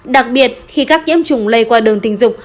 đặc biệt khi các nhiễm trùng lây qua đơn tình dục